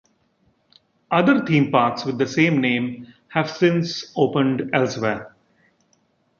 Other theme parks with the same name have since opened elsewhere.